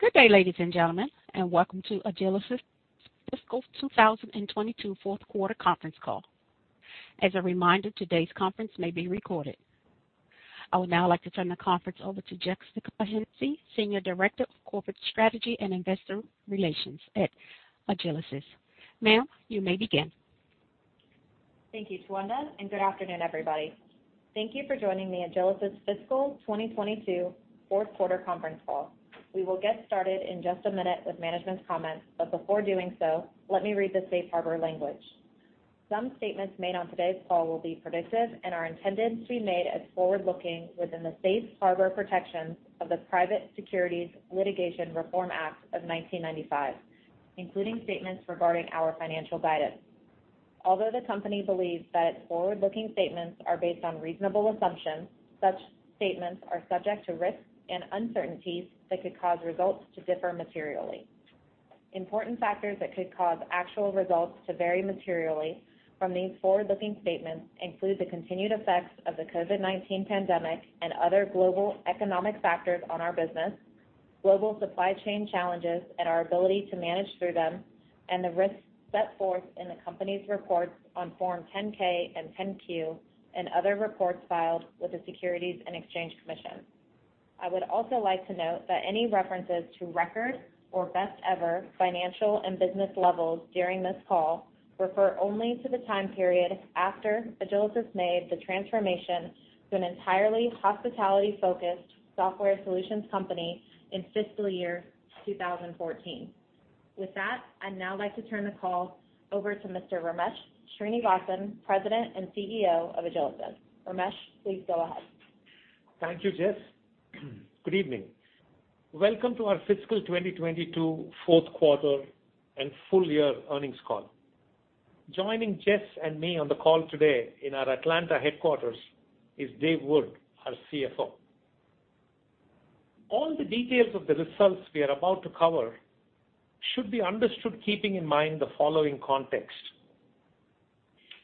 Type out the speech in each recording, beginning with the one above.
Good day, ladies and gentlemen, and welcome to Agilysys Fiscal 2022 fourth quarter conference call. As a reminder, today's conference may be recorded. I would now like to turn the conference over to Jessica Hennessy, Senior Director of Corporate Strategy and Investor Relations at Agilysys. Ma'am, you may begin. Thank you, Tawanda, and good afternoon, everybody. Thank you for joining the Agilysys fiscal 2022 fourth quarter conference call. We will get started in just a minute with management's comments, but before doing so, let me read the safe harbor language. Some statements made on today's call will be predictive and are intended to be made as forward-looking within the safe harbor protections of the Private Securities Litigation Reform Act of 1995, including statements regarding our financial guidance. Although the company believes that forward-looking statements are based on reasonable assumptions, such statements are subject to risks and uncertainties that could cause results to differ materially. Important factors that could cause actual results to vary materially from these forward-looking statements include the continued effects of the COVID-19 pandemic and other global economic factors on our business, global supply chain challenges and our ability to manage through them, and the risks set forth in the company's reports on Form 10-K and 10-Q and other reports filed with the Securities and Exchange Commission. I would also like to note that any references to record or best ever financial and business levels during this call refer only to the time period after Agilysys made the transformation to an entirely hospitality-focused software solutions company in fiscal year 2014. With that, I'd now like to turn the call over to Mr. Ramesh Srinivasan, President and CEO of Agilysys. Ramesh, please go ahead. Thank you, Jess. Good evening. Welcome to our fiscal 2022 fourth quarter and full year earnings call. Joining Jess and me on the call today in our Atlanta headquarters is Dave Wood, our CFO. All the details of the results we are about to cover should be understood keeping in mind the following context.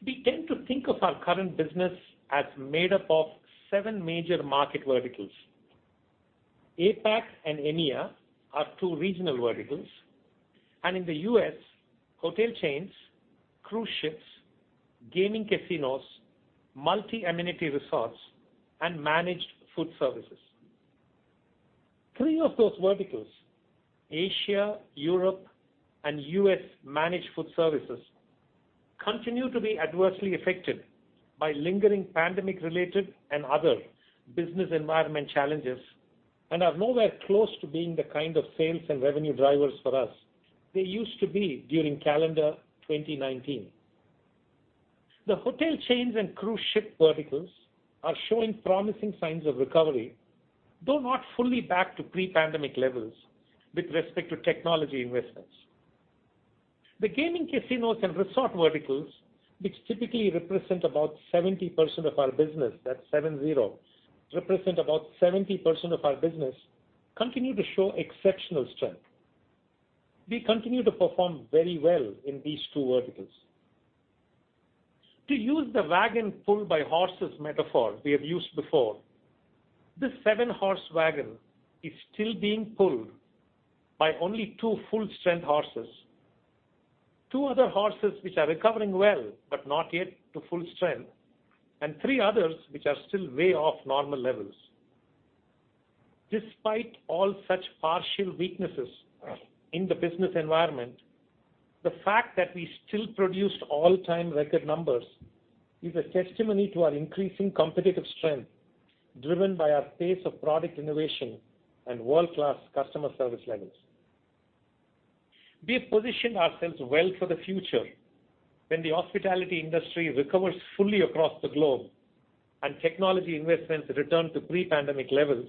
We tend to think of our current business as made up of seven major market verticals. APAC and EMEA are two regional verticals, and in the U.S., hotel chains, cruise ships, gaming casinos, multi-amenity resorts, and managed food services. Three of those verticals, Asia, Europe, and U.S. managed food services, continue to be adversely affected by lingering pandemic-related and other business environment challenges and are nowhere close to being the kind of sales and revenue drivers for us they used to be during calendar 2019. The hotel chains and cruise ship verticals are showing promising signs of recovery, though not fully back to pre-pandemic levels with respect to technology investments. The gaming casinos and resort verticals, which typically represent about 70% of our business, continue to show exceptional strength. We continue to perform very well in these two verticals. To use the wagon pulled by horses metaphor we have used before, this seven-horse wagon is still being pulled by only two full-strength horses. Two other horses which are recovering well, but not yet to full strength, and three others which are still way off normal levels. Despite all such partial weaknesses in the business environment, the fact that we still produced all-time record numbers is a testimony to our increasing competitive strength, driven by our pace of product innovation and world-class customer service levels. We have positioned ourselves well for the future when the hospitality industry recovers fully across the globe and technology investments return to pre-pandemic levels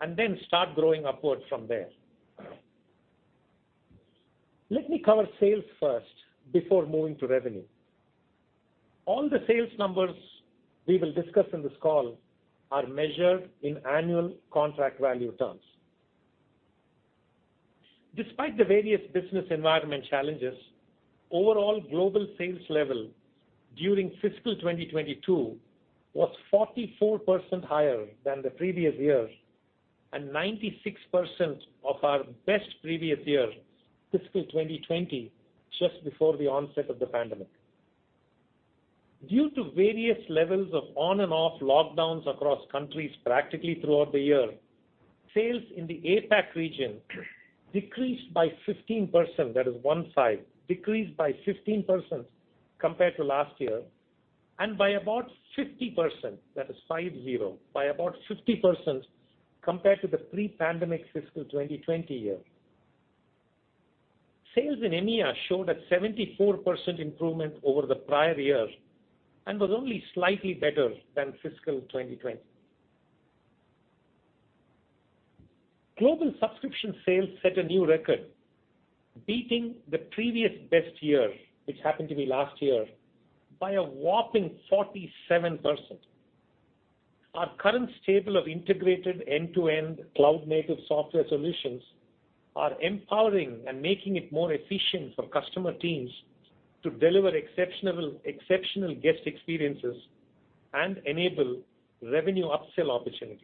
and then start growing upwards from there. Let me cover sales first before moving to revenue. All the sales numbers we will discuss in this call are measured in annual contract value terms. Despite the various business environment challenges, overall global sales level during fiscal 2022 was 44% higher than the previous year and 96% of our best previous year, fiscal 2020, just before the onset of the pandemic. Due to various levels of on-and-off lockdowns across countries practically throughout the year, sales in the APAC region decreased by 15% compared to last year, and by about 50% compared to the pre-pandemic fiscal 2020 year. Sales in EMEA showed a 74% improvement over the prior year and was only slightly better than fiscal 2020. Global subscription sales set a new record, beating the previous best year, which happened to be last year, by a whopping 47%. Our current stable of integrated end-to-end cloud-native software solutions are empowering and making it more efficient for customer teams to deliver exceptional guest experiences and enable revenue upsell opportunities.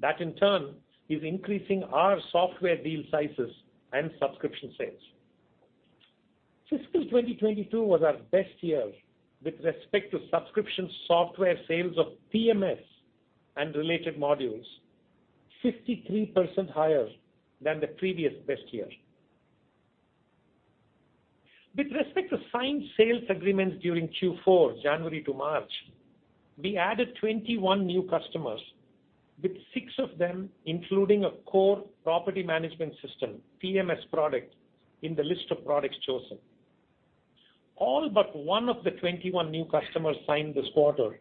That, in turn, is increasing our software deal sizes and subscription sales. Fiscal 2022 was our best year with respect to subscription software sales of PMS and related modules, 53% higher than the previous best year. With respect to signed sales agreements during Q4, January to March, we added 21 new customers, with six of them including a core property management system, PMS product, in the list of products chosen. All but one of the 21 new customers signed this quarter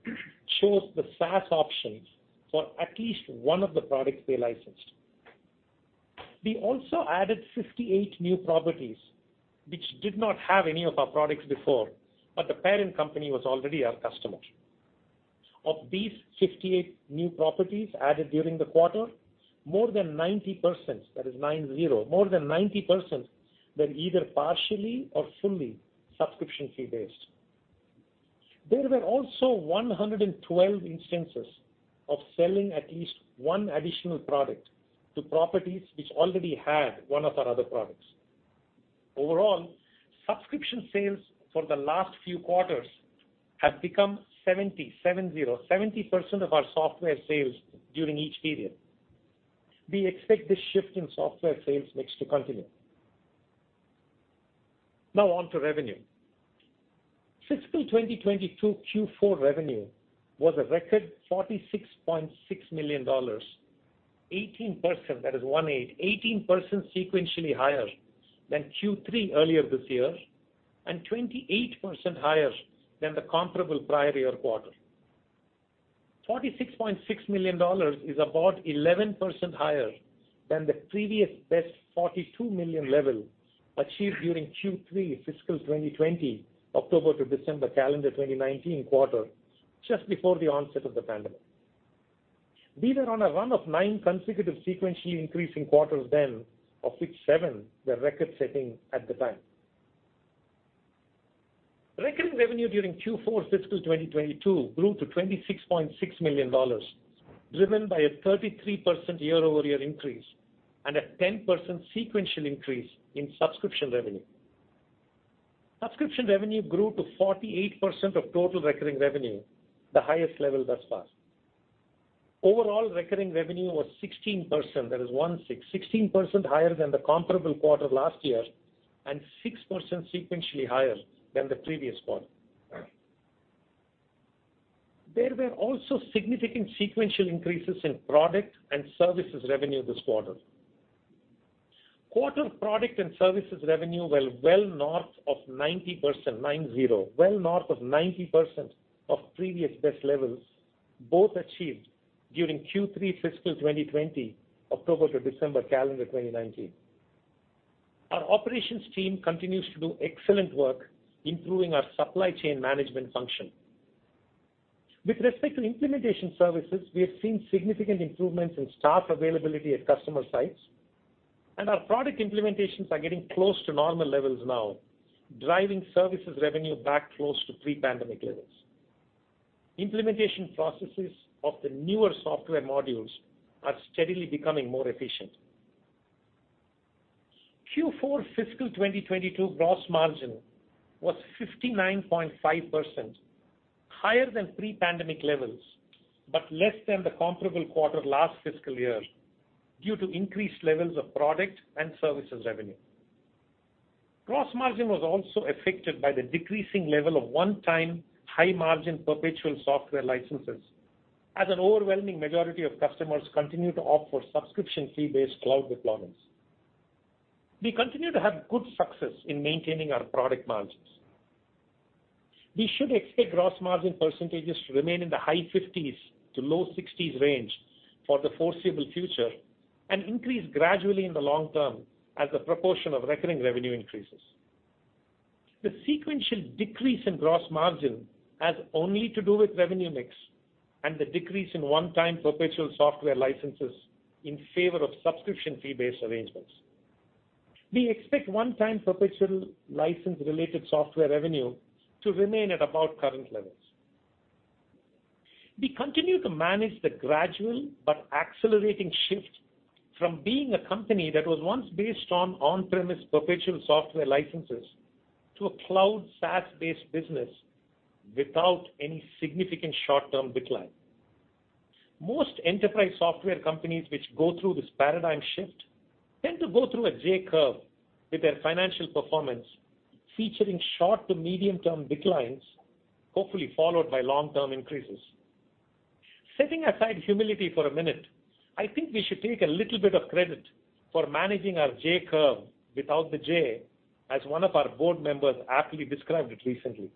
chose the SaaS options for at least one of the products they licensed. We also added 58 new properties, which did not have any of our products before, but the parent company was already our customer. Of these 58 new properties added during the quarter, more than 90%, that is 90, more than 90% were either partially or fully subscription-fee based. There were also 112 instances of selling at least one additional product to properties which already had one of our other products. Overall, subscription sales for the last few quarters have become 70, 70% of our software sales during each period. We expect this shift in software sales mix to continue. Now on to revenue. Fiscal 2022 Q4 revenue was a record $46.6 million, 18%, that is one eight, 18% sequentially higher than Q3 earlier this year, and 28% higher than the comparable prior year quarter. $46.6 million is about 11% higher than the previous best $42 million level achieved during Q3 fiscal 2020, October to December calendar 2019 quarter, just before the onset of the pandemic. We were on a run of 9 consecutive sequentially increasing quarters then, of which 7 were record-setting at the time. Recurring revenue during Q4 fiscal 2022 grew to $26.6 million, driven by a 33% year-over-year increase and a 10% sequential increase in subscription revenue. Subscription revenue grew to 48% of total recurring revenue, the highest level thus far. Overall, recurring revenue was 16%, that is one six, 16% higher than the comparable quarter last year, and 6% sequentially higher than the previous quarter. There were also significant sequential increases in product and services revenue this quarter. This quarter, product and services revenue were well north of 90%, nine zero, well north of 90% of previous best levels, both achieved during Q3 fiscal 2020, October to December calendar 2019. Our operations team continues to do excellent work improving our supply chain management function. With respect to implementation services, we have seen significant improvements in staff availability at customer sites, and our product implementations are getting close to normal levels now, driving services revenue back close to pre-pandemic levels. Implementation processes of the newer software modules are steadily becoming more efficient. Q4 fiscal 2022 gross margin was 59.5%, higher than pre-pandemic levels, but less than the comparable quarter last fiscal year due to increased levels of product and services revenue. Gross margin was also affected by the decreasing level of one-time, high-margin, perpetual software licenses, as an overwhelming majority of customers continue to opt for subscription fee-based cloud deployments. We continue to have good success in maintaining our product margins. We should expect gross margin percentages to remain in the high 50s-low 60s range for the foreseeable future, and increase gradually in the long term as the proportion of recurring revenue increases. The sequential decrease in gross margin has only to do with revenue mix and the decrease in one-time perpetual software licenses in favor of subscription fee-based arrangements. We expect one-time perpetual license-related software revenue to remain at about current levels. We continue to manage the gradual but accelerating shift from being a company that was once based on on-premise perpetual software licenses to a cloud SaaS-based business without any significant short-term decline. Most enterprise software companies which go through this paradigm shift tend to go through a J curve with their financial performance, featuring short to medium-term declines, hopefully followed by long-term increases. Setting aside humility for a minute, I think we should take a little bit of credit for managing our J curve without the J, as one of our board members aptly described it recently.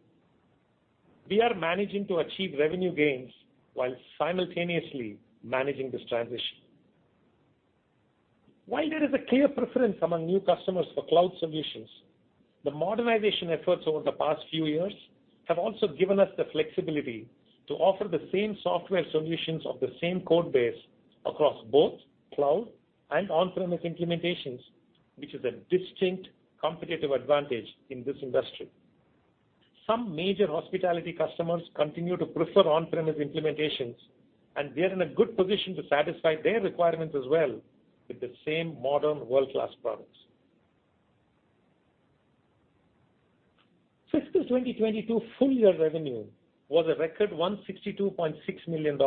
We are managing to achieve revenue gains while simultaneously managing this transition. While there is a clear preference among new customers for cloud solutions, the modernization efforts over the past few years have also given us the flexibility to offer the same software solutions of the same code base across both cloud and on-premise implementations, which is a distinct competitive advantage in this industry. Some major hospitality customers continue to prefer on-premise implementations, and we are in a good position to satisfy their requirements as well with the same modern world-class products. Fiscal 2022 full-year revenue was a record $162.6 million,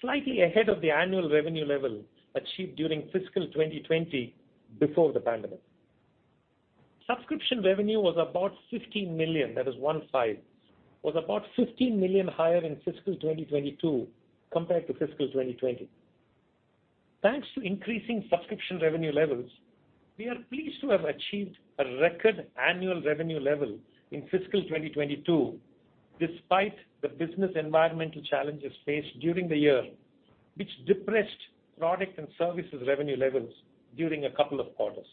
slightly ahead of the annual revenue level achieved during fiscal 2020 before the pandemic. Subscription revenue was about $15 million, that is 15. Was about $15 million higher in fiscal 2022 compared to fiscal 2020. Thanks to increasing subscription revenue levels, we are pleased to have achieved a record annual revenue level in fiscal 2022 despite the business environmental challenges faced during the year, which depressed product and services revenue levels during a couple of quarters.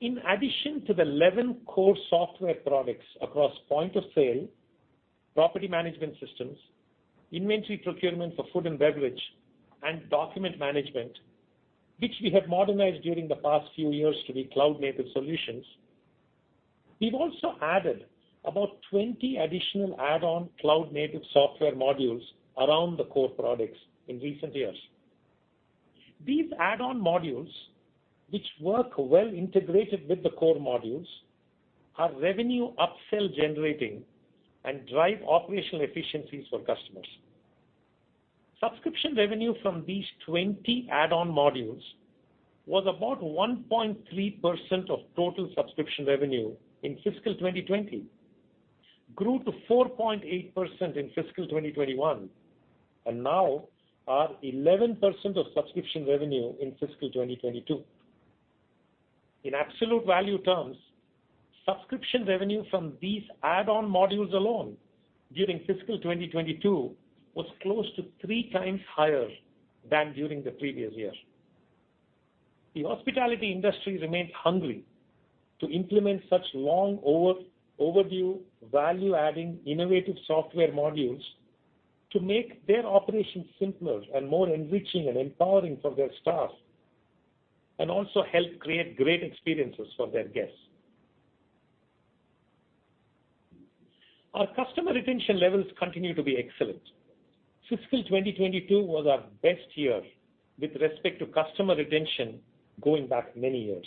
In addition to the 11 core software products across point of sale, property management systems, inventory procurement for food and beverage, and document management, which we have modernized during the past few years to be cloud-native solutions. We've also added about 20 additional add-on cloud-native software modules around the core products in recent years. These add-on modules, which work well integrated with the core modules, are revenue upsell generating and drive operational efficiencies for customers. Subscription revenue from these 20 add-on modules was about 1.3% of total subscription revenue in fiscal 2020, grew to 4.8% in fiscal 2021, and now are 11% of subscription revenue in fiscal 2022. In absolute value terms, subscription revenue from these add-on modules alone during fiscal 2022 was close to 3 times higher than during the previous year. The hospitality industry remains hungry to implement such long overdue, value-adding, innovative software modules to make their operations simpler and more enriching and empowering for their staff, and also help create great experiences for their guests. Our customer retention levels continue to be excellent. Fiscal 2022 was our best year with respect to customer retention going back many years.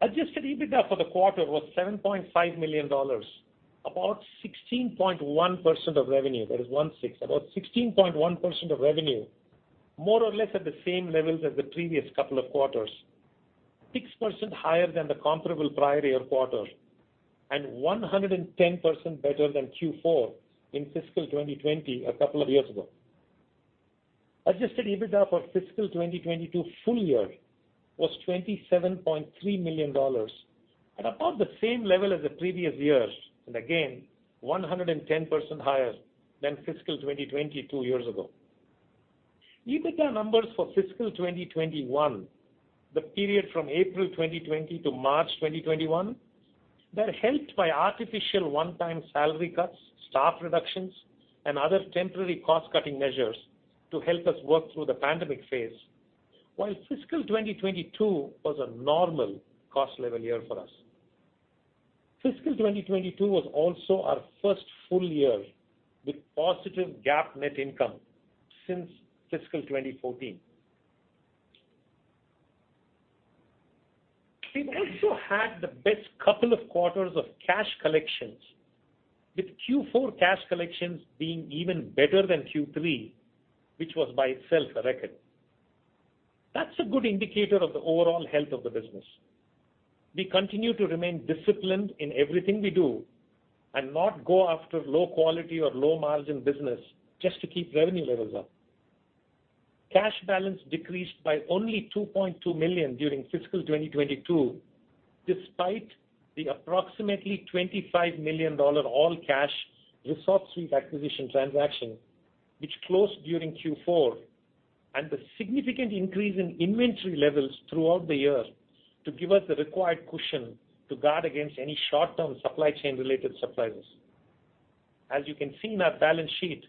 Adjusted EBITDA for the quarter was $7.5 million, about 16.1% of revenue. That is 16. About 16.1% of revenue, more or less at the same levels as the previous couple of quarters, 6% higher than the comparable prior year quarter, and 110% better than Q4 in fiscal 2020 a couple of years ago. Adjusted EBITDA for fiscal 2022 full year was $27.3 million at about the same level as the previous years, and again, 110% higher than fiscal 2020 two years ago. EBITDA numbers for fiscal 2021, the period from April 2020 to March 2021, were helped by artificial one-time salary cuts, staff reductions, and other temporary cost-cutting measures to help us work through the pandemic phase, while fiscal 2022 was a normal cost level year for us. Fiscal 2022 was also our first full year with positive GAAP net income since fiscal 2014. We've also had the best couple of quarters of cash collections, with Q4 cash collections being even better than Q3, which was by itself a record. That's a good indicator of the overall health of the business. We continue to remain disciplined in everything we do and not go after low quality or low-margin business just to keep revenue levels up. Cash balance decreased by only $2.2 million during fiscal 2022, despite the approximately $25 million all-cash ResortSuite acquisition transaction, which closed during Q4, and the significant increase in inventory levels throughout the year to give us the required cushion to guard against any short-term supply chain related surprises. As you can see in our balance sheet,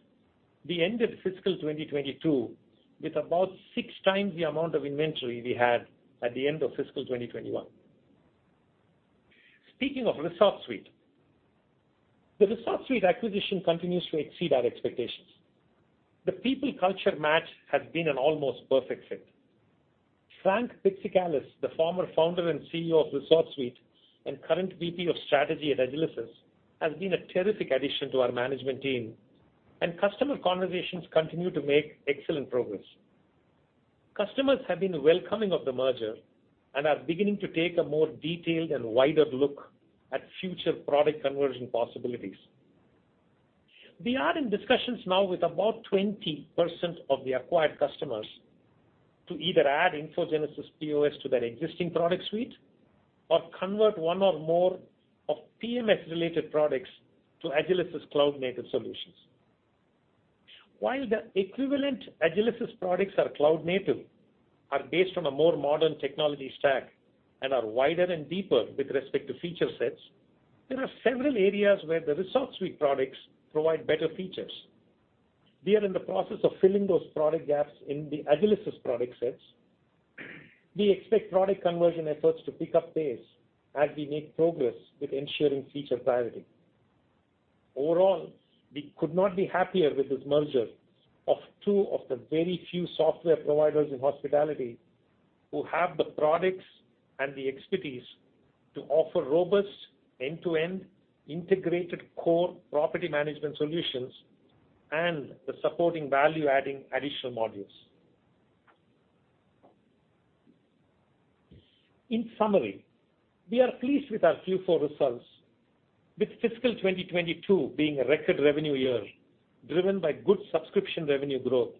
we ended fiscal 2022 with about six times the amount of inventory we had at the end of fiscal 2021. Speaking of ResortSuite, the ResortSuite acquisition continues to exceed our expectations. The people culture match has been an almost perfect fit. Frank Pitsikalis, the former founder and CEO of ResortSuite and current VP of Strategy at Agilysys, has been a terrific addition to our management team, and customer conversations continue to make excellent progress. Customers have been welcoming of the merger and are beginning to take a more detailed and wider look at future product conversion possibilities. We are in discussions now with about 20% of the acquired customers to either add InfoGenesis POS to their existing product suite or convert one or more of PMS-related products to Agilysys cloud-native solutions. While the equivalent Agilysys products are cloud native, are based on a more modern technology stack and are wider and deeper with respect to feature sets. There are several areas where the ResortSuite products provide better features. We are in the process of filling those product gaps in the Agilysys product sets. We expect product conversion efforts to pick up pace as we make progress with ensuring feature parity. Overall, we could not be happier with this merger of two of the very few software providers in hospitality who have the products and the expertise to offer robust end-to-end integrated core property management solutions and the supporting value-adding additional modules. In summary, we are pleased with our Q4 results, with fiscal 2022 being a record revenue year, driven by good subscription revenue growth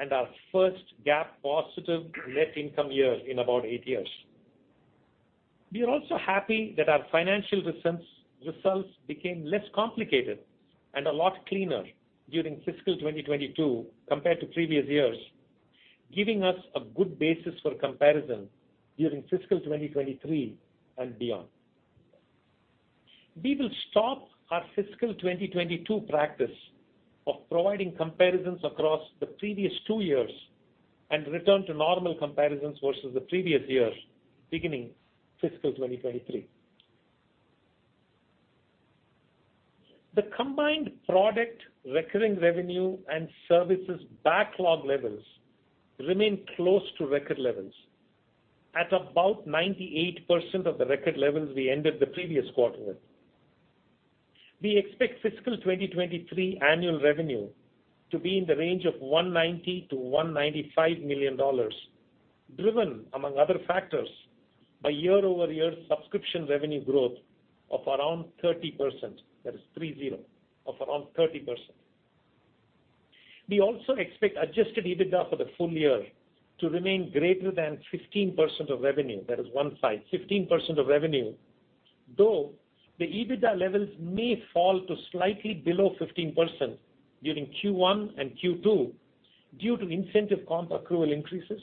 and our first GAAP positive net income year in about eight years. We are also happy that our financial results became less complicated and a lot cleaner during fiscal 2022 compared to previous years, giving us a good basis for comparison during fiscal 2023 and beyond. We will stop our fiscal 2022 practice of providing comparisons across the previous two years and return to normal comparisons versus the previous years beginning fiscal 2023. The combined product, recurring revenue, and services backlog levels remain close to record levels at about 98% of the record levels we ended the previous quarter with. We expect fiscal 2023 annual revenue to be in the range of $190 million-$195 million, driven, among other factors, by year-over-year subscription revenue growth of around 30%. That is 30, of around 30%. We also expect adjusted EBITDA for the full year to remain greater than 15% of revenue. That is 15% of revenue, though the EBITDA levels may fall to slightly below 15% during Q1 and Q2 due to incentive comp accrual increases,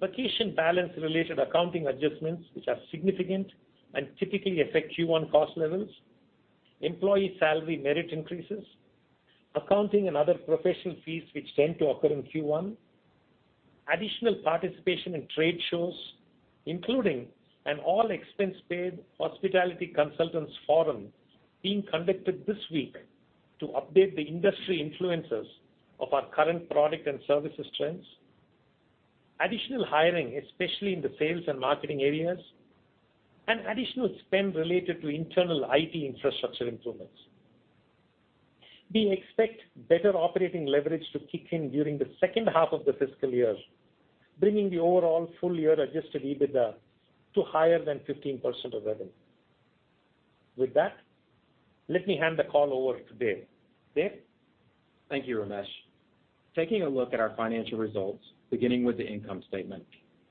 vacation balance-related accounting adjustments, which are significant and typically affect Q1 cost levels, employee salary merit increases, accounting and other professional fees, which tend to occur in Q1, additional participation in trade shows, including an all-expense-paid hospitality consultants forum being conducted this week to update the industry influencers of our current product and services trends, additional hiring, especially in the sales and marketing areas, and additional spend related to internal IT infrastructure improvements. We expect better operating leverage to kick in during the second half of the fiscal year, bringing the overall full-year adjusted EBITDA to higher than 15% of revenue. With that, let me hand the call over to Dave. Dave? Thank you, Ramesh. Taking a look at our financial results, beginning with the income statement.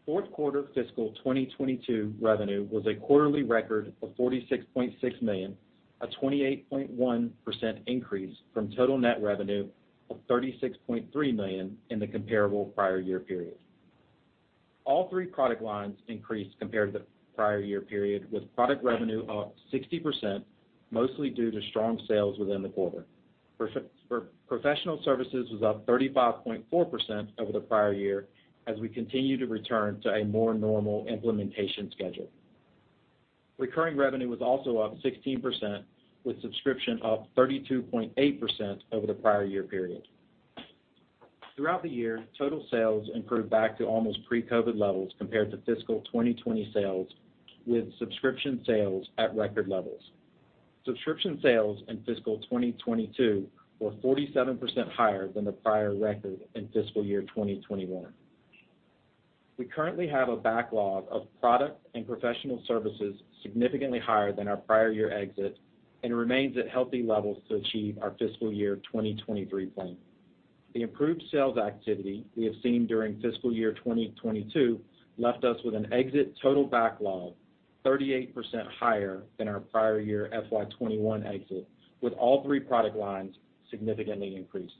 Fourth quarter fiscal 2022 revenue was a quarterly record of $46.6 million, a 28.1% increase from total net revenue of $36.3 million in the comparable prior year period. All three product lines increased compared to the prior year period, with product revenue up 60%, mostly due to strong sales within the quarter. Professional services was up 35.4% over the prior year as we continue to return to a more normal implementation schedule. Recurring revenue was also up 16%, with subscription up 32.8% over the prior year period. Throughout the year, total sales improved back to almost pre-COVID levels compared to fiscal 2020 sales, with subscription sales at record levels. Subscription sales in fiscal 2022 were 47% higher than the prior record in fiscal year 2021. We currently have a backlog of product and professional services significantly higher than our prior year exit and remains at healthy levels to achieve our fiscal year 2023 plan. The improved sales activity we have seen during fiscal year 2022 left us with an exit total backlog 38% higher than our prior year FY 2021 exit, with all three product lines significantly increased.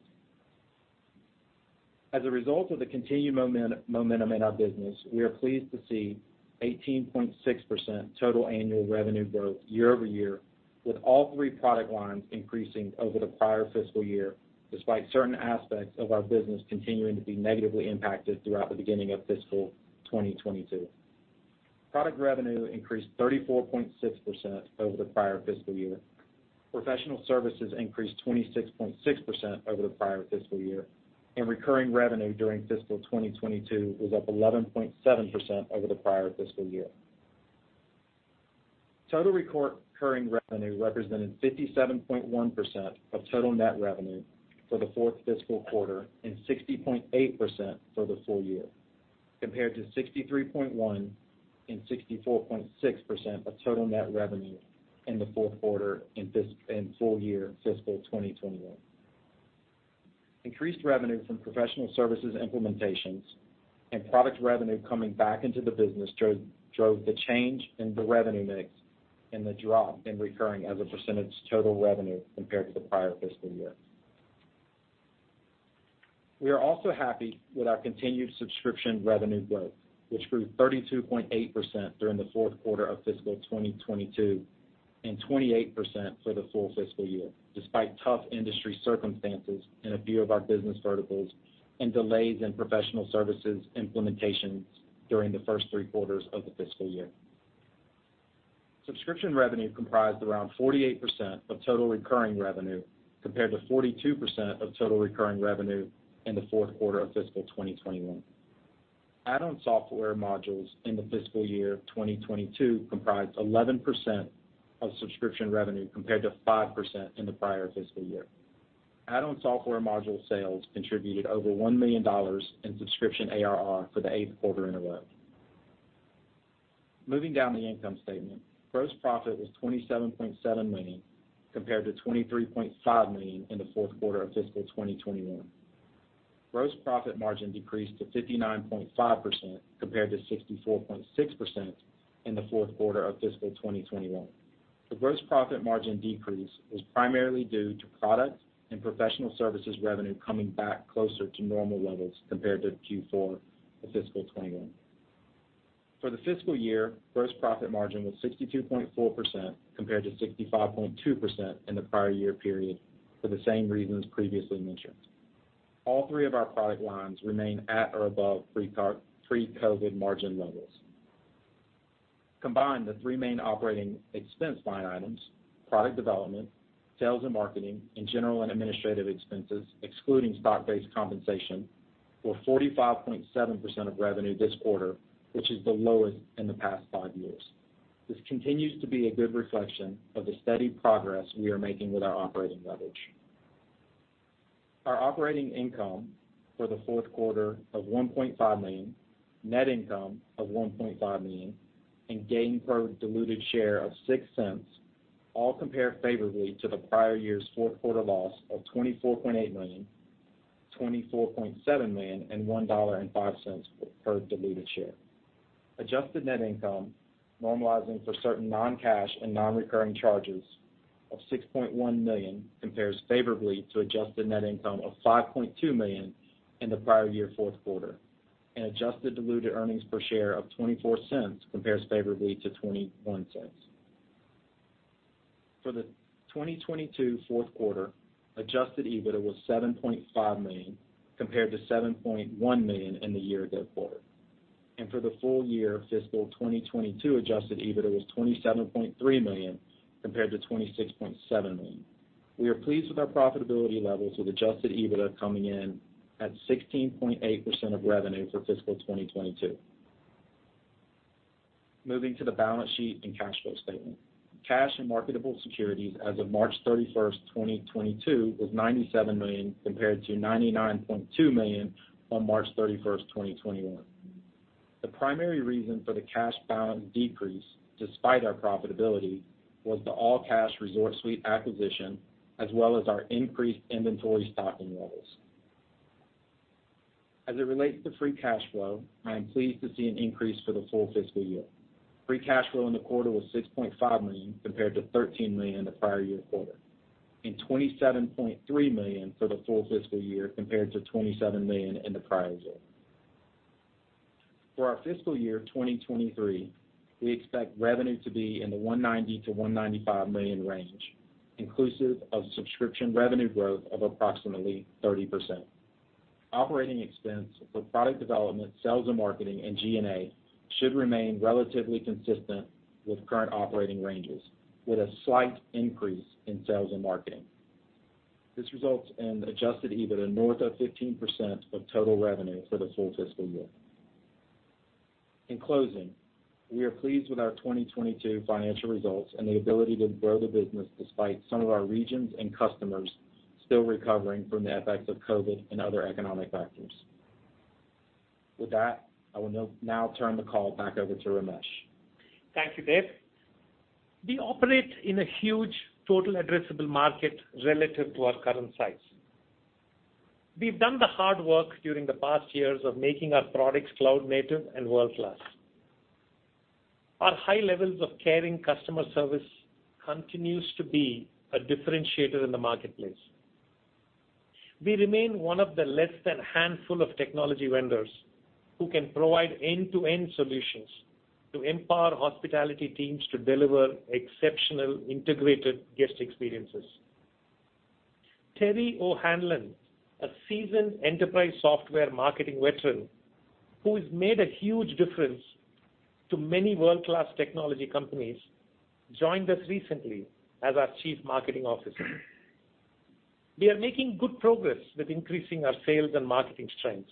As a result of the continued momentum in our business, we are pleased to see 18.6% total annual revenue growth year-over-year, with all three product lines increasing over the prior fiscal year, despite certain aspects of our business continuing to be negatively impacted throughout the beginning of fiscal 2022. Product revenue increased 34.6% over the prior fiscal year. Professional services increased 26.6% over the prior fiscal year, and recurring revenue during fiscal 2022 was up 11.7% over the prior fiscal year. Total recurring revenue represented 57.1% of total net revenue for the fourth fiscal quarter and 60.8% for the full year, compared to 63.1% and 64.6% of total net revenue in the fourth quarter in full year fiscal 2021. Increased revenue from professional services implementations and product revenue coming back into the business drove the change in the revenue mix. In the drop in recurring as a percentage total revenue compared to the prior fiscal year. We are also happy with our continued subscription revenue growth, which grew 32.8% during the fourth quarter of fiscal 2022, and 28% for the full fiscal year, despite tough industry circumstances in a few of our business verticals and delays in professional services implementations during the first three quarters of the fiscal year. Subscription revenue comprised around 48% of total recurring revenue compared to 42% of total recurring revenue in the fourth quarter of fiscal 2021. Add-on software modules in the fiscal year of 2022 comprised 11% of subscription revenue compared to 5% in the prior fiscal year. Add-on software module sales contributed over $1 million in subscription ARR for the 8th quarter in a row. Moving down the income statement. Gross profit was $27.7 million compared to $23.5 million in the fourth quarter of fiscal 2021. Gross profit margin decreased to 59.5% compared to 64.6% in the fourth quarter of fiscal 2021. The gross profit margin decrease was primarily due to product and professional services revenue coming back closer to normal levels compared to Q4 of fiscal 2021. For the fiscal year, gross profit margin was 62.4% compared to 65.2% in the prior year period for the same reasons previously mentioned. All three of our product lines remain at or above pre-COVID margin levels. Combined, the three main operating expense line items, product development, sales and marketing, and general and administrative expenses excluding stock-based compensation, were 45.7% of revenue this quarter, which is the lowest in the past five years. This continues to be a good reflection of the steady progress we are making with our operating leverage. Our operating income for the fourth quarter of $1.5 million, net income of $1.5 million, and gain per diluted share of $0.06 all compare favorably to the prior year's fourth quarter loss of $24.8 million, $24.7 million, and $1.05 per diluted share. Adjusted net income normalizing for certain non-cash and non-recurring charges of $6.1 million compares favorably to adjusted net income of $5.2 million in the prior year fourth quarter, and adjusted diluted earnings per share of $0.24 compares favorably to $0.21. For the 2022 fourth quarter, adjusted EBITDA was $7.5 million, compared to $7.1 million in the year before. For the full year fiscal 2022 adjusted EBITDA was $27.3 million compared to $26.7 million. We are pleased with our profitability levels with adjusted EBITDA coming in at 16.8% of revenue for fiscal 2022. Moving to the balance sheet and cash flow statement. Cash and marketable securities as of March 31, 2022, was $97 million compared to $99.2 million on March 31, 2021. The primary reason for the cash balance decrease despite our profitability was the all-cash ResortSuite acquisition, as well as our increased inventory stocking levels. As it relates to free cash flow, I am pleased to see an increase for the full fiscal year. Free cash flow in the quarter was $6.5 million compared to $13 million the prior year quarter, and $27.3 million for the full fiscal year compared to $27 million in the prior year. For our fiscal year 2023, we expect revenue to be in the $190 million-$195 million range, inclusive of subscription revenue growth of approximately 30%. Operating expense for product development, sales and marketing, and G&A should remain relatively consistent with current operating ranges, with a slight increase in sales and marketing. This results in adjusted EBITDA north of 15% of total revenue for the full fiscal year. In closing, we are pleased with our 2022 financial results and the ability to grow the business despite some of our regions and customers still recovering from the effects of COVID and other economic factors. With that, I will now turn the call back over to Ramesh. Thank you, Dave. We operate in a huge total addressable market relative to our current size. We've done the hard work during the past years of making our products cloud-native and world-class. Our high levels of caring customer service continues to be a differentiator in the marketplace. We remain one of the less than handful of technology vendors who can provide end-to-end solutions to empower hospitality teams to deliver exceptional integrated guest experiences. Terrie O'Hanlon, a seasoned enterprise software marketing veteran, who has made a huge difference to many world-class technology companies, joined us recently as our Chief Marketing Officer. We are making good progress with increasing our sales and marketing strengths.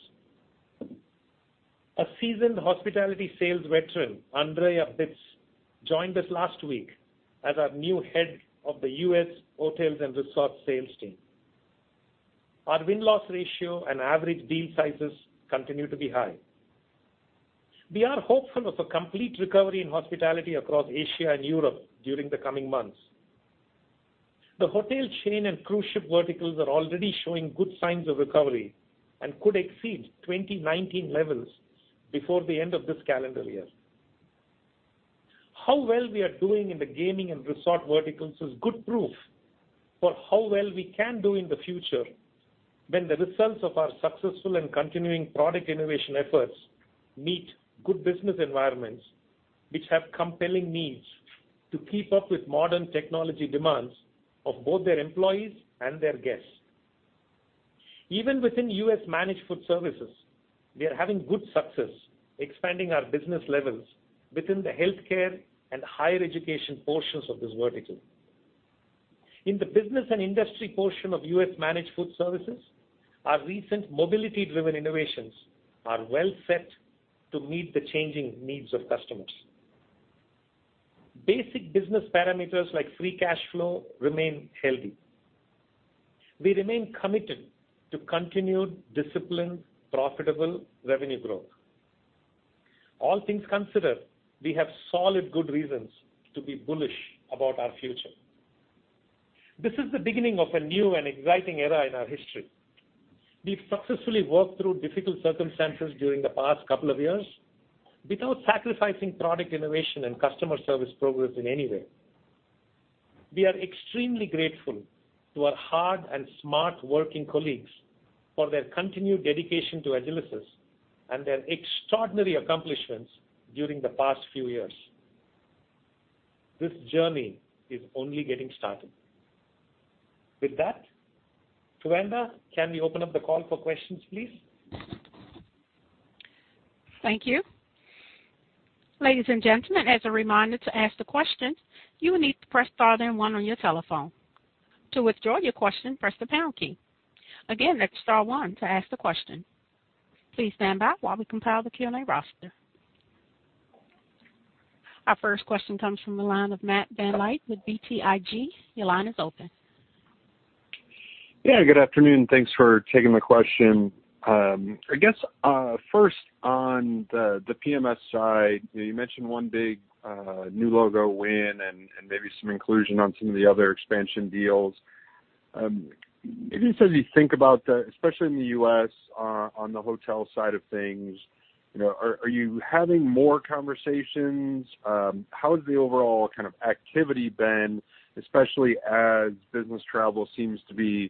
A seasoned hospitality sales veteran, Andre Abitz, joined us last week as our new Head of the US Hotels and Resorts sales team. Our win-loss ratio and average deal sizes continue to be high. We are hopeful of a complete recovery in hospitality across Asia and Europe during the coming months. The hotel chain and cruise ship verticals are already showing good signs of recovery and could exceed 2019 levels before the end of this calendar year. How well we are doing in the gaming and resort verticals is good proof for how well we can do in the future when the results of our successful and continuing product innovation efforts meet good business environments which have compelling needs to keep up with modern technology demands of both their employees and their guests. Even within U.S. managed food services, we are having good success expanding our business levels within the healthcare and higher education portions of this vertical. In the business and industry portion of U.S. managed food services, our recent mobility-driven innovations are well set to meet the changing needs of customers. Basic business parameters like free cash flow remain healthy. We remain committed to continued disciplined, profitable revenue growth. All things considered, we have solid good reasons to be bullish about our future. This is the beginning of a new and exciting era in our history. We've successfully worked through difficult circumstances during the past couple of years without sacrificing product innovation and customer service progress in any way. We are extremely grateful to our hard and smart working colleagues for their continued dedication to Agilysys and their extraordinary accomplishments during the past few years. This journey is only getting started. With that, Tawanda, can we open up the call for questions, please? Thank you. Ladies and gentlemen, as a reminder to ask the questions, you will need to press star then one on your telephone. To withdraw your question, press the pound key. Again, that's star one to ask the question. Please stand by while we compile the Q&A roster. Our first question comes from the line of Matthew VanVliet with BTIG. Your line is open. Yeah, good afternoon. Thanks for taking my question. I guess, first on the PMS side, you mentioned one big new logo win and maybe some inclusion on some of the other expansion deals. Maybe just as you think about, especially in the U.S., on the hotel side of things, you know, are you having more conversations? How has the overall kind of activity been, especially as business travel seems to be, you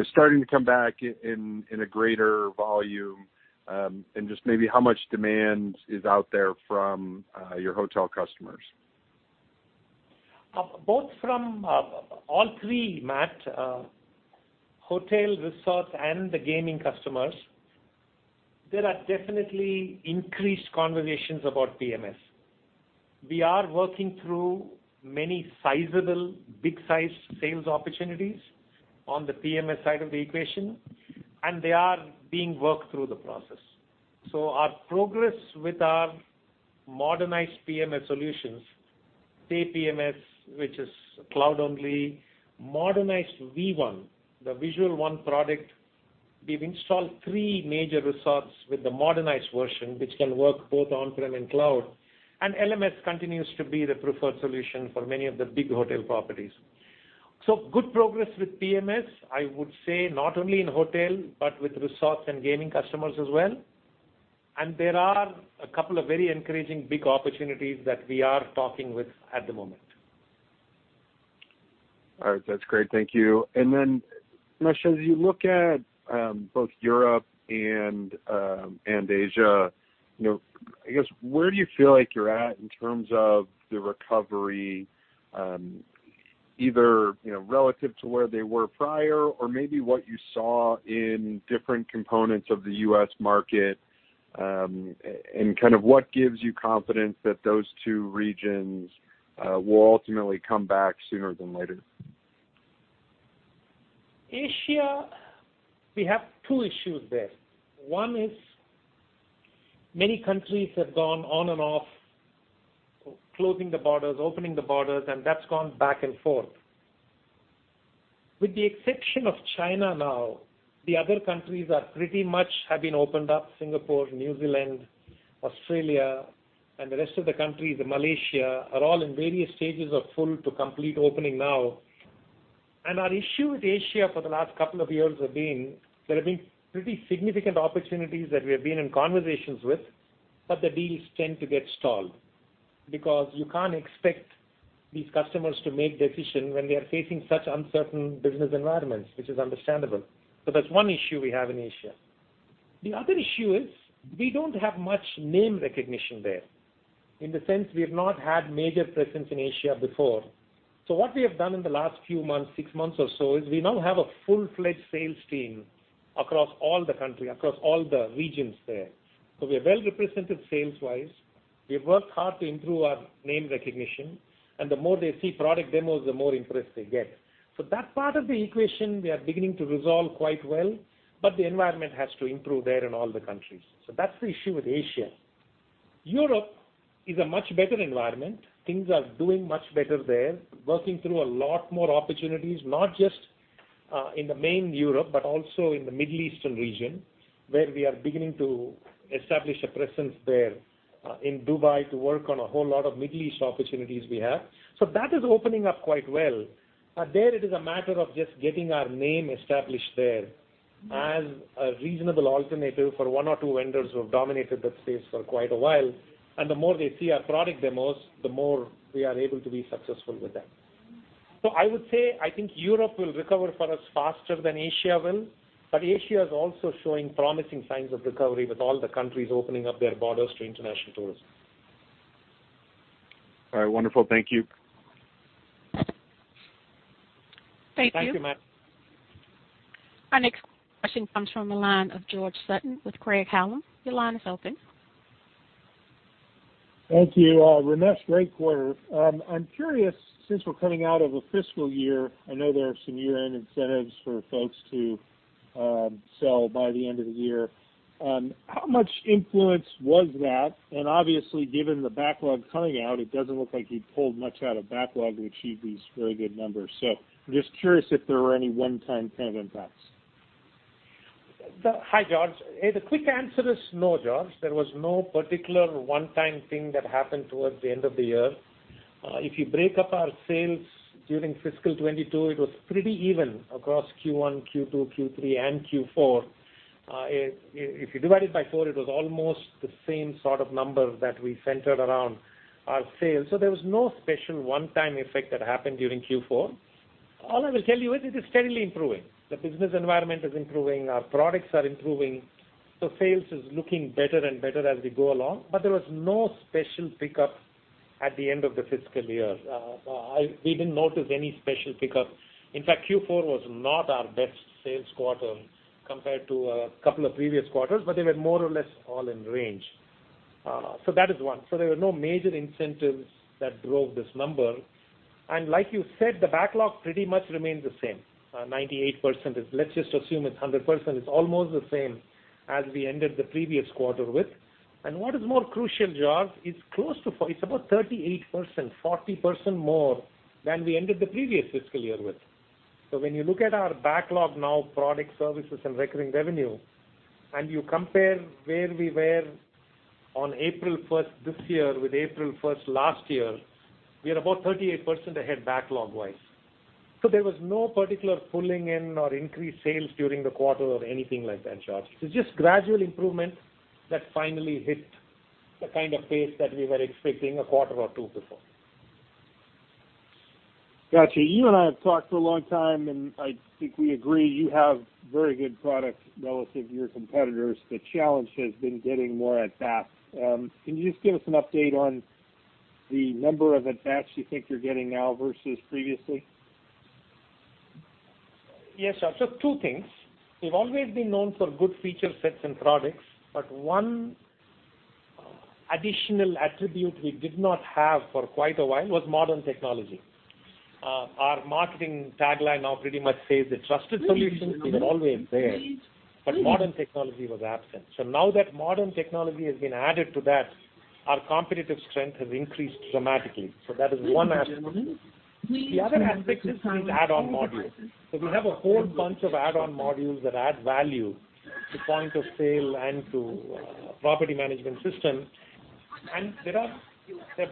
know, starting to come back in a greater volume? And just maybe how much demand is out there from your hotel customers? Both from all three, Matt, hotel, resort, and the gaming customers, there are definitely increased conversations about PMS. We are working through many sizable, big-size sales opportunities on the PMS side of the equation, and they are being worked through the process. Our progress with our modernized PMS solutions, Stay PMS, which is cloud only, modernized V1, the Visual One product, we've installed three major resorts with the modernized version, which can work both on-prem and cloud, and LMS continues to be the preferred solution for many of the big hotel properties. Good progress with PMS, I would say not only in hotel, but with resorts and gaming customers as well. There are a couple of very encouraging big opportunities that we are talking with at the moment. All right. That's great. Thank you. Then, Ramesh, as you look at both Europe and Asia, you know, I guess, where do you feel like you're at in terms of the recovery, either, you know, relative to where they were prior or maybe what you saw in different components of the U.S. market, and kind of what gives you confidence that those two regions will ultimately come back sooner than later? Asia, we have two issues there. One is many countries have gone on and off closing the borders, opening the borders, and that's gone back and forth. With the exception of China now, the other countries have pretty much been opened up. Singapore, New Zealand, Australia, and the rest of the countries, Malaysia, are all in various stages of full to complete opening now. Our issue with Asia for the last couple of years have been there have been pretty significant opportunities that we have been in conversations with, but the deals tend to get stalled because you can't expect these customers to make decisions when they are facing such uncertain business environments, which is understandable. That's one issue we have in Asia. The other issue is we don't have much name recognition there in the sense we have not had major presence in Asia before. What we have done in the last few months, six months or so, is we now have a full-fledged sales team across all the country, across all the regions there. We are well represented sales-wise. We have worked hard to improve our name recognition. The more they see product demos, the more interest they get. That part of the equation, we are beginning to resolve quite well, but the environment has to improve there in all the countries. That's the issue with Asia. Europe is a much better environment. Things are doing much better there, working through a lot more opportunities, not just in the main Europe, but also in the Middle Eastern region, where we are beginning to establish a presence there, in Dubai to work on a whole lot of Middle East opportunities we have. That is opening up quite well. there, it is a matter of just getting our name established there as a reasonable alternative for one or two vendors who have dominated that space for quite a while. The more they see our product demos, the more we are able to be successful with them. I would say, I think Europe will recover for us faster than Asia will, but Asia is also showing promising signs of recovery with all the countries opening up their borders to international tourism. All right. Wonderful. Thank you. Thank you. Thank you, Matt. Our next question comes from the line of George Sutton with Craig-Hallum. Your line is open. Thank you, Ramesh. Great quarter. I'm curious, since we're coming out of a fiscal year, I know there are some year-end incentives for folks to sell by the end of the year. How much influence was that? Obviously, given the backlog coming out, it doesn't look like you pulled much out of backlog to achieve these very good numbers. I'm just curious if there were any one-time kind of impacts. Hi, George. The quick answer is no, George. There was no particular one-time thing that happened towards the end of the year. If you break up our sales during fiscal 2022, it was pretty even across Q1, Q2, Q3, and Q4. If you divide it by four, it was almost the same sort of number that we centered around our sales. There was no special one-time effect that happened during Q4. All I will tell you is it is steadily improving. The business environment is improving. Our products are improving. Sales is looking better and better as we go along. There was no special pickup at the end of the fiscal year. We didn't notice any special pickup. In fact, Q4 was not our best sales quarter compared to a couple of previous quarters, but they were more or less all in range. That is one. There were no major incentives that drove this number. Like you said, the backlog pretty much remains the same. 98% is, let's just assume it's 100%. It's almost the same as we ended the previous quarter with. What is more crucial, George, it's about 38%, 40% more than we ended the previous fiscal year with. When you look at our backlog now, product services and recurring revenue, and you compare where we were on April first this year with April first last year, we are about 38% ahead backlog-wise. There was no particular pulling in or increased sales during the quarter or anything like that, George. It's just gradual improvement that finally hit the kind of pace that we were expecting a quarter or two before. Got you. You and I have talked for a long time, and I think we agree you have very good products relative to your competitors. The challenge has been getting more at that. Can you just give us an update on the number of attacks you think you're getting now versus previously? Yes, George. Two things. We've always been known for good feature sets and products, but one additional attribute we did not have for quite a while was modern technology. Our marketing tagline now pretty much says the trusted solution is always there, but modern technology was absent. Now that modern technology has been added to that, our competitive strength has increased dramatically. That is one aspect. The other aspect is add-on modules. We have a whole bunch of add-on modules that add value to point of sale and to property management system. There are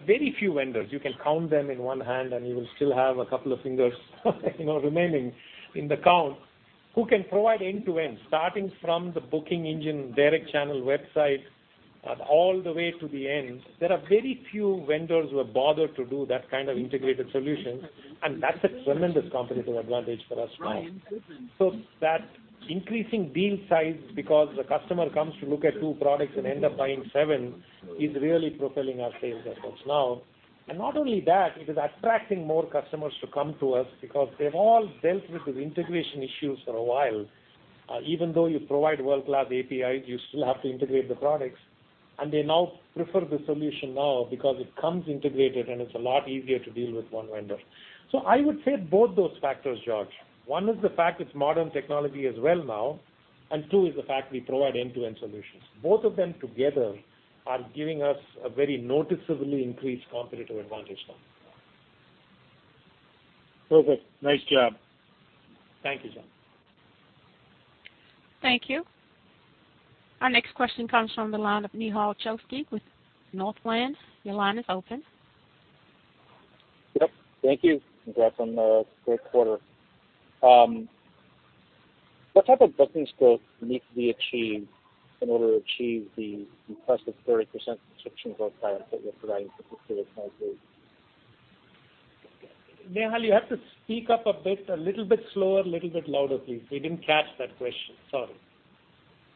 very few vendors, you can count them in one hand, and you will still have a couple of fingers, you know, remaining in the count, who can provide end-to-end, starting from the booking engine, direct channel website, all the way to the end. There are very few vendors who have bothered to do that kind of integrated solution, and that's a tremendous competitive advantage for us now. That increasing deal size because the customer comes to look at two products and end up buying seven is really propelling our sales efforts now. Not only that, it is attracting more customers to come to us because they've all dealt with these integration issues for a while. Even though you provide world-class APIs, you still have to integrate the products. They now prefer the solution now because it comes integrated, and it's a lot easier to deal with one vendor. I would say both those factors, George. One is the fact it's modern technology as well now, and two is the fact we provide end-to-end solutions. Both of them together are giving us a very noticeably increased competitive advantage now. Perfect. Nice job. Thank you, George. Thank you. Our next question comes from the line of Nehal Chokshi with Northland. Your line is open. Yep. Thank you. Congrats on the great quarter. What type of bookings growth needs to be achieved in order to achieve the requested 30% subscription growth guidance that you're providing for fiscal 2023? Nehal, you have to speak up a bit, a little bit slower, a little bit louder, please. We didn't catch that question. Sorry.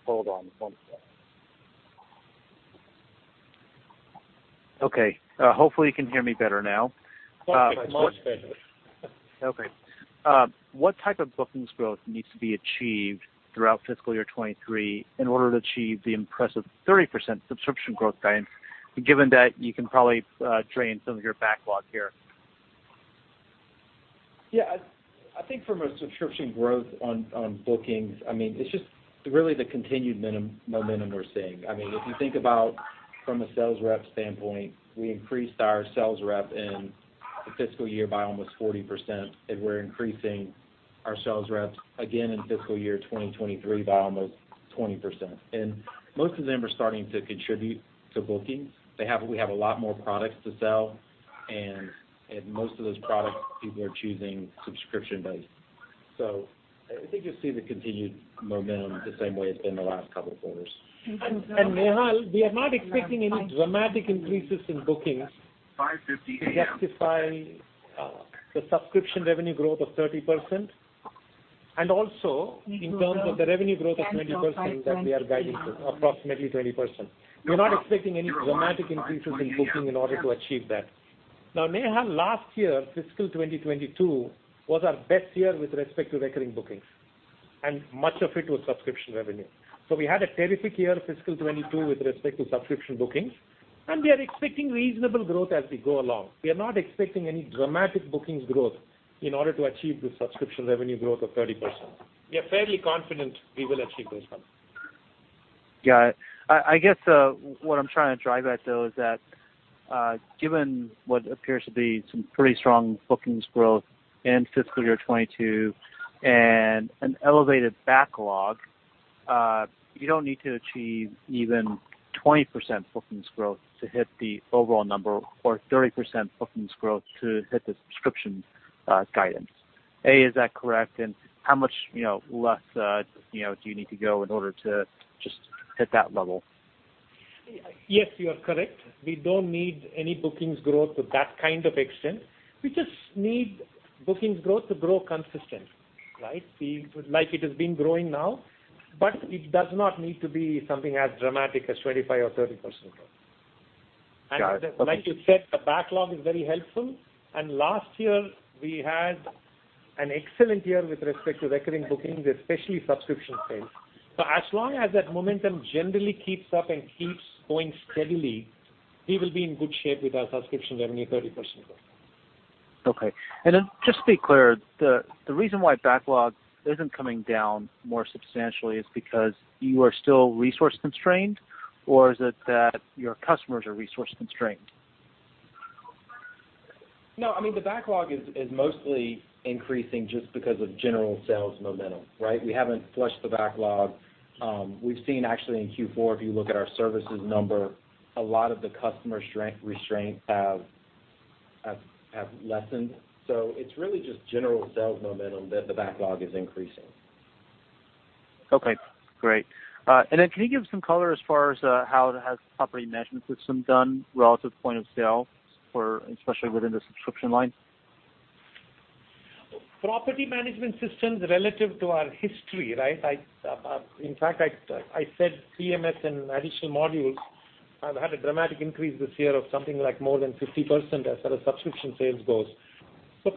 Hold on one sec. Okay. Hopefully, you can hear me better now. Much, much better. Okay. What type of bookings growth needs to be achieved throughout fiscal year 2023 in order to achieve the impressive 30% subscription growth guidance, given that you can probably drain some of your backlog here? Yeah. I think from a subscription growth on bookings, I mean, it's just really the continued momentum we're seeing. I mean, if you think about From a sales rep standpoint, we increased our sales rep in the fiscal year by almost 40%, and we're increasing our sales reps again in fiscal year 2023 by almost 20%. Most of them are starting to contribute to bookings. We have a lot more products to sell, and most of those products, people are choosing subscription-based. I think you'll see the continued momentum the same way it's been the last couple of quarters. Nehal, we are not expecting any dramatic increases in bookings to justify the subscription revenue growth of 30% and also in terms of the revenue growth of 20% that we are guiding to, approximately 20%. We're not expecting any dramatic increases in bookings in order to achieve that. Now, Nehal, last year, fiscal 2022 was our best year with respect to recurring bookings, and much of it was subscription revenue. We had a terrific year, fiscal 2022, with respect to subscription bookings, and we are expecting reasonable growth as we go along. We are not expecting any dramatic bookings growth in order to achieve the subscription revenue growth of 30%. We are fairly confident we will achieve those numbers. Got it. I guess what I'm trying to drive at, though, is that given what appears to be some pretty strong bookings growth in fiscal year 2022 and an elevated backlog, you don't need to achieve even 20% bookings growth to hit the overall number or 30% bookings growth to hit the subscription guidance. Is that correct? And how much less, you know, do you need to go in order to just hit that level? Yes, you are correct. We don't need any bookings growth to that kind of extent. We just need bookings growth to grow consistently, right? Like it has been growing now, but it does not need to be something as dramatic as 25% or 30% growth. Got it. Like you said, the backlog is very helpful. Last year, we had an excellent year with respect to recurring bookings, especially subscription sales. As long as that momentum generally keeps up and keeps going steadily, we will be in good shape with our subscription revenue, 30% growth. Okay. Just to be clear, the reason why backlog isn't coming down more substantially is because you are still resource constrained, or is it that your customers are resource constrained? No, I mean, the backlog is mostly increasing just because of general sales momentum, right? We haven't flushed the backlog. We've seen actually in Q4, if you look at our services number, a lot of the customer constraints have lessened. It's really just general sales momentum that the backlog is increasing. Okay, great. Can you give some color as far as how has property management system done relative point of sale for especially within the subscription line? Property management systems relative to our history, right? In fact, I said PMS and additional modules have had a dramatic increase this year of something like more than 50% as our subscription sales goes.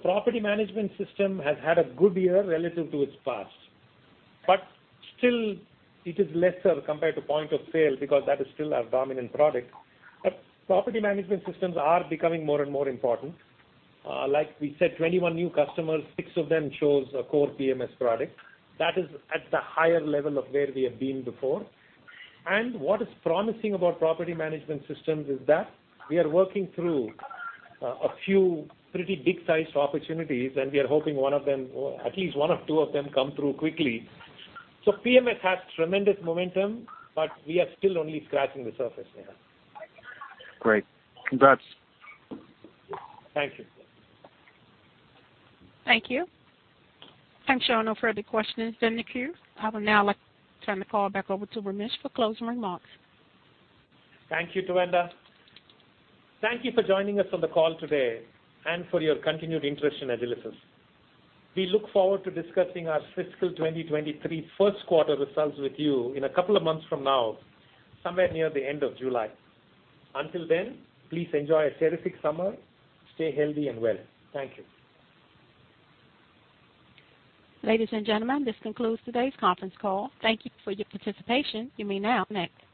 Property management system has had a good year relative to its past, but still it is lesser compared to point of sale because that is still our dominant product. Property management systems are becoming more and more important. Like we said, 21 new customers, six of them chose a core PMS product. That is at the higher level of where we have been before. What is promising about property management systems is that we are working through a few pretty big-sized opportunities, and we are hoping one of them, or at least one of two of them come through quickly. PMS has tremendous momentum, but we are still only scratching the surface there. Great. Congrats. Thank you. Thank you. I'm showing no further questions in the queue. I would now like to turn the call back over to Ramesh for closing remarks. Thank you, Tawanda. Thank you for joining us on the call today and for your continued interest in Agilysys. We look forward to discussing our fiscal 2023 first quarter results with you in a couple of months from now, somewhere near the end of July. Until then, please enjoy a terrific summer. Stay healthy and well. Thank you. Ladies and gentlemen, this concludes today's conference call. Thank you for your participation. You may now disconnect.